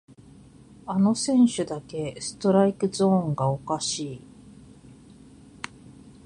あの選手だけストライクゾーンがおかしい